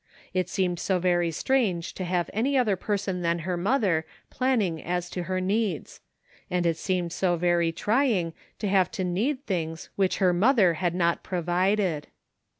It seemed so very strange to have any other person than her mother plan ning as to her needs ; and it seemed so very trying to have to need things which her mother had not provided.